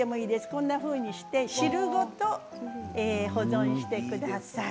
こんな感じで汁ごと保存してください。